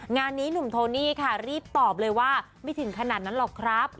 งานนี้หนุ่มโทนี่ค่ะรีบตอบเลยว่าไม่ถึงขนาดนั้นหรอกครับ